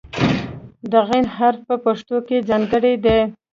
د "غ" حرف په پښتو کې ځانګړی دی.